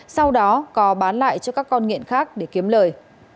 sau đó có bán lại cho các con nghiện khác để kiếm lời